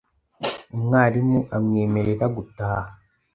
Umwarimu amwemerera gutaha .